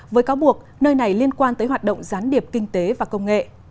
với cáo buộc nơi này liên quan tới hoạt động gián điệp kinh tế và công nghệ